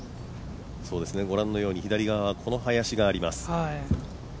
ご覧のように左側は、この林があります。